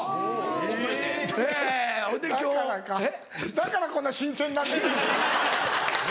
だからこんな新鮮なんですね。